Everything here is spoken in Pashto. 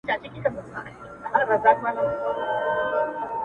مرگ مشر او کشر ته نه گوري.